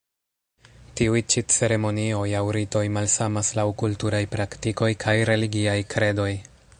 Tiuj ĉi ceremonioj aŭ ritoj malsamas laŭ kulturaj praktikoj kaj religiaj kredoj.